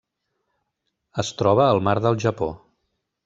Es troba al Mar del Japó.